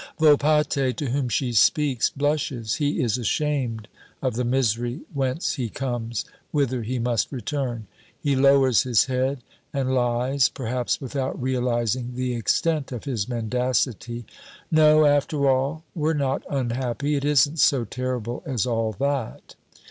Volpatte, to whom she speaks, blushes. He is ashamed of the misery whence he comes, whither he must return. He lowers his head and lies, perhaps without realizing the extent of his mendacity: "No, after all, we're not unhappy, it isn't so terrible as all that!"